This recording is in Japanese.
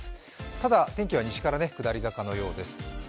ただ、天気は西から下り坂のようです。